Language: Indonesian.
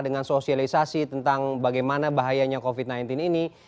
dengan sosialisasi tentang bagaimana bahayanya covid sembilan belas ini